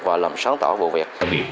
và làm sáng tỏ vụ việc